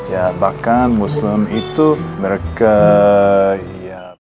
ya bahkan muslim itu mereka ya